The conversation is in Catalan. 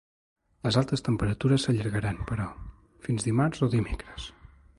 Les altes temperatures s’allargaran, però, fins dimarts o dimecres.